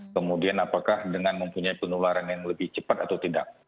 kemudian apakah dengan mempunyai penularan yang lebih cepat atau tidak